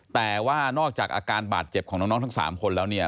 แต่ว่านอกจากอาการบาดเจ็บของน้องทั้ง๓คนแล้วเนี่ย